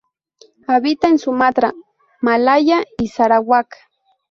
Habita en Sumatra, Malaya y Sarawak.